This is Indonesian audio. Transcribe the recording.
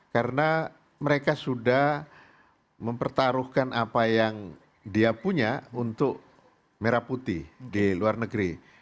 karena mereka sudah mempertaruhkan apa yang dia punya untuk merah putih di luar negeri